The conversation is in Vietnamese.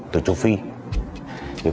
từ châu phi